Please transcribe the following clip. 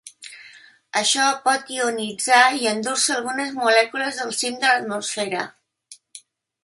Això pot ionitzar i endur-se algunes molècules del cim de l'atmosfera.